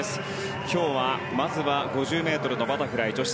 今日は、まずは５０ｍバタフライ女子。